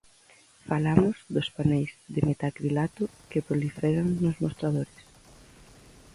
Falamos dos paneis de metacrilato que proliferan nos mostradores.